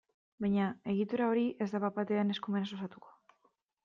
Baina, egitura hori ez da bat-batean eskumenez osatuko.